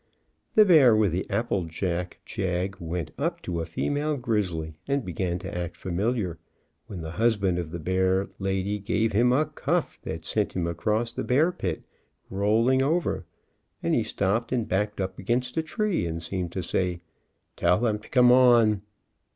The bear with the apple jack jag went up to a female grizzly and began to act familiar, when the husband of the bear loidy gave him a cuff that sent him across the bear pit, rolling over, and he stopped and backed up against a tree, and seemed to say, "Tell them to come on."